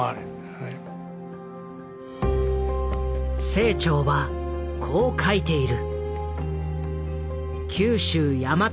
清張はこう書いている。